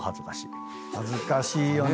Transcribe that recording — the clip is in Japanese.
恥ずかしいよね。